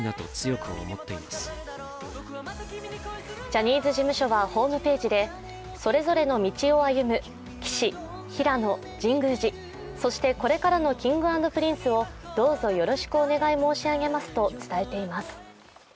ジャニーズ事務所はホームページでそれぞれの道を歩む岸、平野、神宮寺、そしてこれからのＫｉｎｇ＆Ｐｒｉｎｃｅをどうぞよろしくお願い申し上げますと伝えています。